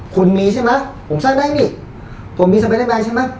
คุณมีใช่ไหมผมสร้างได้นี่ผมมีสไปเดอร์แลนด์ใช่ไหม